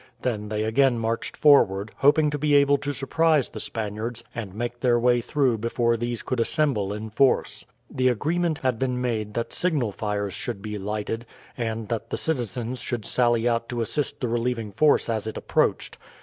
Then they again marched forward, hoping to be able to surprise the Spaniards and make their way through before these could assemble in force. The agreement had been made that signal fires should be lighted, and that the citizens should sally out to assist the relieving force as it approached.